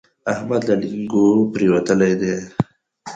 احمد له لېنګو پرېوتلی دی.